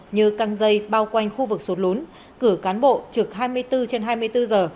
như căng dây bao quanh khu vực sụt lún cử cán bộ trực hai mươi bốn trên hai mươi bốn giờ